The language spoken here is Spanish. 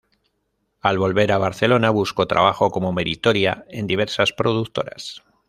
Al volver a Barcelona buscó trabajo como meritoria en diversas productoras.